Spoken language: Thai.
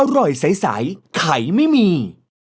อร่อยใสไข่ไม่มี